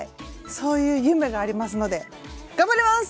そういう夢がありますので頑張ります！